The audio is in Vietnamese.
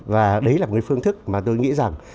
và đấy là một cái phương thức mà tôi nghĩ rằng